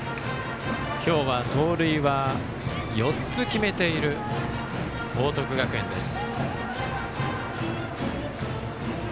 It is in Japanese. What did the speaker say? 今日は盗塁は４つ決めている報徳学園です。